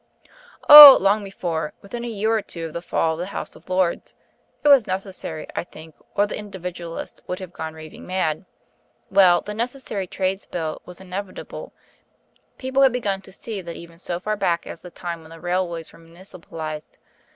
"Oh! long before within a year or two of the fall of the House of Lords. It was necessary, I think, or the Individualists would have gone raving mad.... Well, the Necessary Trades Bill was inevitable: people had begun to see that even so far back as the time when the railways were municipalised.